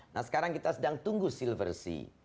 nah sekarang kita sedang tunggu silversity